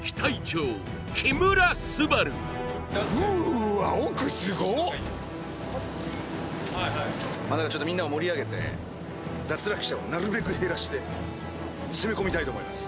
うーわ奥すごっちょっとみんなを盛り上げて脱落者をなるべく減らして攻め込みたいと思います